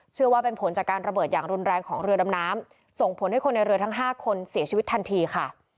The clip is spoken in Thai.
ว่าเป็นผลจากการระเบิดอย่างรุนแรงของเรือดำน้ำส่งผลให้คนในเรือทั้ง๕คนเสียชีวิตทันทีค่ะ